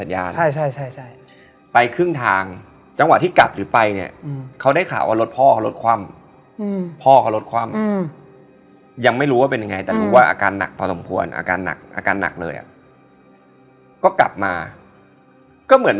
อย่างนี้เลยพี่แอร์หันหน้ามองกับผู้จัดการแบบโอ้โห